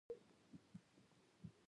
دوی یو موږک ونیو خو هغه ورڅخه وتښتید.